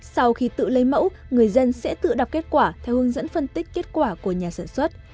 sau khi tự lấy mẫu người dân sẽ tự đọc kết quả theo hướng dẫn phân tích kết quả của nhà sản xuất